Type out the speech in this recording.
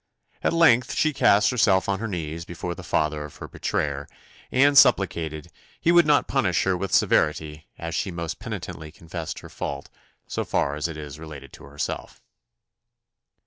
At length she cast herself on her knees before the father of her betrayer, and supplicated "he would not punish her with severity, as she most penitently confessed her fault, so far as is related to herself."